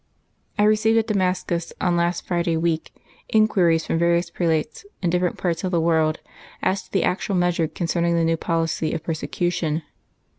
"I received at Damascus, on last Friday week, inquiries from various prelates in different parts of the world, as to the actual measure concerning the new policy of persecution.